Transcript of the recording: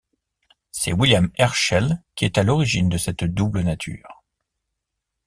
C'est William Herschel qui est à l'origine de cette double nature.